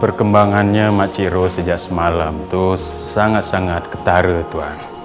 perkembangannya makcik ros sejak semalam tuh sangat sangat ketara tuan